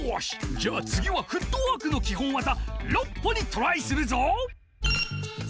じゃあつぎはフットワークのきほんわざ「６歩」にトライするぞ！